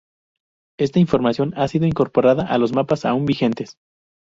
Esta información ha sido incorporada a los mapas aun vigentes.